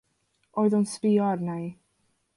Oedd o'n sbïo arna i.